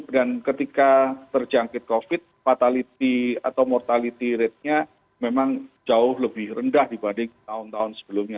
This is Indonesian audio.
dan ketika terjangkit covid fatality atau mortality ratenya memang jauh lebih rendah dibanding tahun tahun sebelumnya